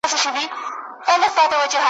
د ادبیاتو پوهنځي بنسټ ایښودنه